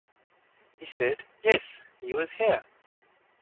He said, yes, he was here.